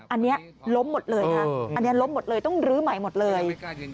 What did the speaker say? อันนี้ล้มหมดเลยนะอันนี้ล้มหมดเลยต้องลื้อใหม่หมดเลย